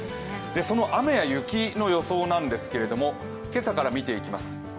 その雨や雪の予想なんですけれども今朝から見ていきます。